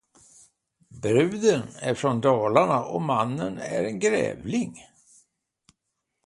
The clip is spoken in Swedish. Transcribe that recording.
Bruden är från Dalarna och mannen är en grävling